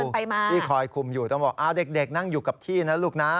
คุณไปมาที่คอยคุมอยู่ต้องบอกเด็กนั่งอยู่กับที่นะลูกนะ